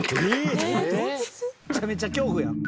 めちゃめちゃ恐怖やん。